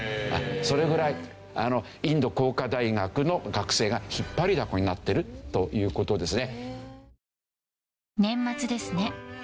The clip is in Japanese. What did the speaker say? それぐらいインド工科大学の学生が引っ張りだこになってるという事ですね。